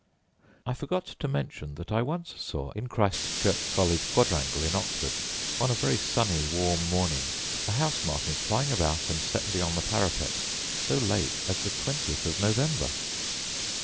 I forgot to mention that I once saw, in Christ Church College quadrangle in Oxford, on a very sunny warm morning, a house martin flying about, and settling on the parapet, so late as the twentieth of November.